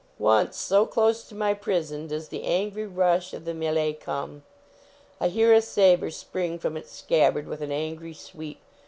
Once, so close to my prison does the angry rush of the melee come, I hear a saber spring from its scabbard with an angry sweep.